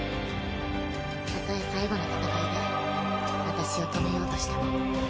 たとえ最後の戦いで私を止めようとしても。